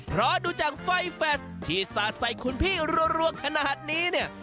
เพราะดูจากไฟแฟชที่สาดใส่คุณพี่รัวขนาดนี้เนี่ย